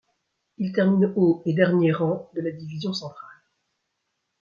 Ils terminent au et dernier rang de la division Centrale.